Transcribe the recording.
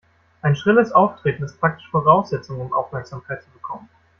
Ein schrilles Auftreten ist praktisch Voraussetzung, um Aufmerksamkeit zu bekommen.